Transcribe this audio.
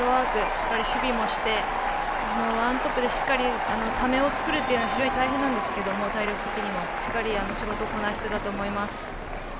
しっかり守備もしてワントップでしっかり、ためを作るのは大変なんですけど体力的にも。しっかり仕事をこなしていたと思います。